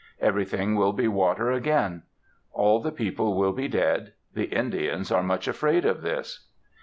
Everything will be water again. All the people will be dead. The Indians are much afraid of this.